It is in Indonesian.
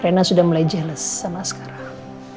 rena sudah mulai jeles sama sekarang